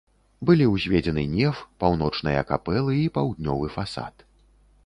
Былі ўзведзены неф, паўночныя капэлы і паўднёвы фасад.